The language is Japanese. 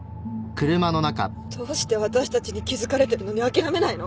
どうして私たちに気付かれてるのに諦めないの？